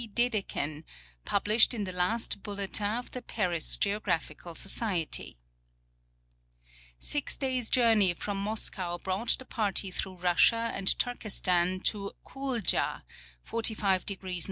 Dedeken, pulilished in the last Bulletin of the Paris Geographical Society. Six daj^s' journey from Moscow brought the party through Russia and Turkestan to Kouldja (45° N.